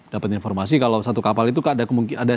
dapat informasi kalau satu kapal itu ada